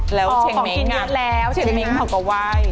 เขากินเยอะแล้วเช็งเม้งเขาก็ไหว้